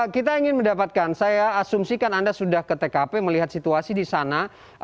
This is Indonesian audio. kita ingin mendapatkan saya asumsikan anda sudah ke tkp melihat situasi di sana